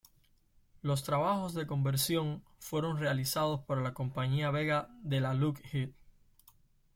Los trabajos de conversión fueron realizados por la compañía Vega de la Lockheed.